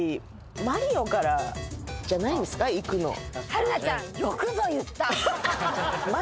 春菜ちゃん。